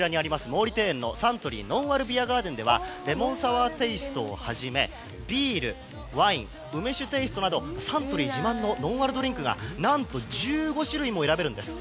毛利庭園の「サントリーのんあるビアガーデン」ではレモンサワーテイストをはじめビール、ワイン梅酒テイストなどサントリー自慢のノンアルドリンクが何と１５種類も選べるんです。